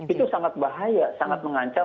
itu sangat bahaya sangat mengancam